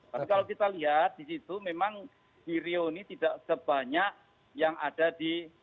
tapi kalau kita lihat di situ memang di rio ini tidak sebanyak yang ada di